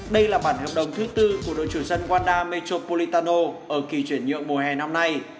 đây là bản hợp đồng thứ tư của đội chủ dân guadar metropolitano ở kỳ chuyển nhượng mùa hè năm nay